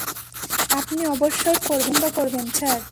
আপনি অবশ্যই পছন্দ করবেন, স্যার।